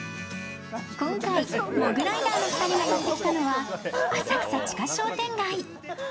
今回、モグライダーの２人がやってきたのは浅草地下商店街。